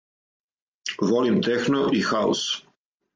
Волим техно и хаус!